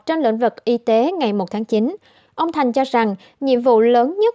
trong lĩnh vực y tế ngày một tháng chín ông thành cho rằng nhiệm vụ lớn nhất